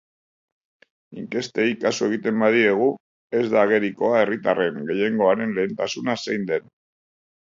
Inkestei kasu egiten badiegu, ez da agerikoa herritarren gehiengoaren lehentasuna zein den.